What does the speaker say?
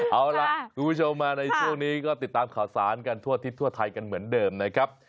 เอาล่ะคุณผู้ชมมาในช่วงนี้ก็ติดตามข่าวสารกันทั่วทิศทั่วไทยกันเหมือนเดิมนะครับ